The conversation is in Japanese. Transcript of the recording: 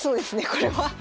これは。